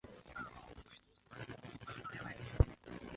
维朗德里。